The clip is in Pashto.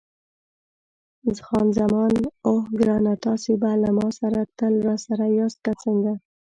خان زمان: اوه ګرانه، تاسي به له ما سره تل راسره یاست، که څنګه؟